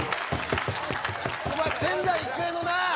お前仙台育英のな